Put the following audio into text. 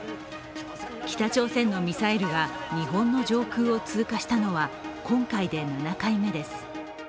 北朝鮮のミサイルが日本の上空を通過したのは今回で７回目です。